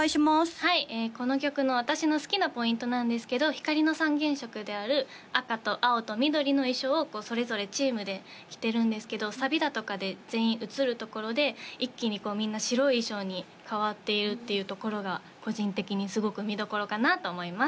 はいこの曲の私の好きなポイントなんですけど光の三原色である赤と青と緑の衣装をこうそれぞれチームで着てるんですけどサビだとかで全員映るところで一気にみんな白い衣装に変わっているっていうところが個人的にすごく見どころかなと思います